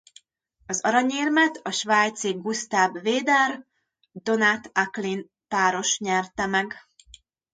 Az aranyérmet a svájci Gustav Weder–Donat Acklin-páros nyerte meg.